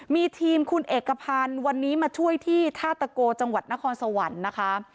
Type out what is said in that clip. มีทีมคุณเอกพันธ์วันนี้มาช่วยที่ท่าตะโกจังหวัดนครสวรรค์นะคะ